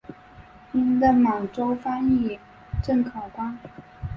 并任满洲翻译正考官。